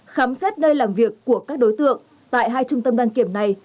khám xét nơi làm việc của các đối tượng tại hai trung tâm đăng kiểm này